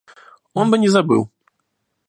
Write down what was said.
Он бы не забыл.